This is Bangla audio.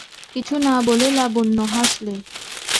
কিছু না বলে লাবণ্য হাসলে।